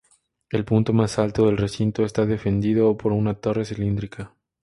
El punto más alto del recinto está defendido por una torre cilíndrica.